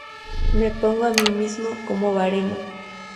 Me pongo a mí mismo como baremo".